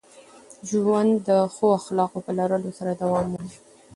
ژوند د ښو اخلاقو په لرلو سره دوام مومي.